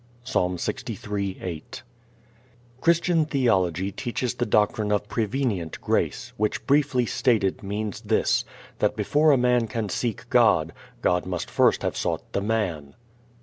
Psa. 63:8 Christian theology teaches the doctrine of prevenient grace, which briefly stated means this, that before a man can seek God, God must first have sought the man.